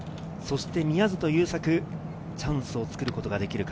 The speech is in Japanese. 宮里優作、チャンスを作ることができるか。